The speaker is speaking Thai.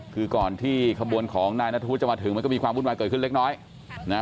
คือก่อนที่ขบวนของนายนัทธุจะมาถึงมันก็มีความวุ่นวายเกิดขึ้นเล็กน้อยนะฮะ